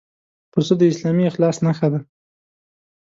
پسه د اسلامي اخلاص نښه ده.